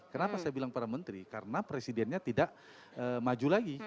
kenapa saya bilang para menteri karena presidennya tidak maju lagi